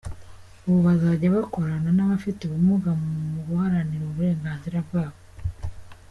Ubu bazajya bakorana n’abafite ubumuga mu guharanira uburenganzira bwabo.